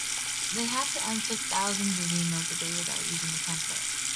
They have to answer thousands of emails a day without using a template.